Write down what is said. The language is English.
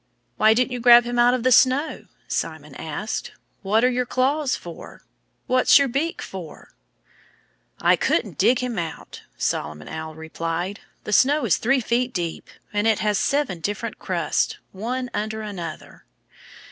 "Why didn't you grab him out of the snow?" Simon asked. "What are your claws for? What's your beak for?" "I couldn't dig him out," Solomon Owl replied. "The snow is three feet deep. And it has seven different crusts, one under another."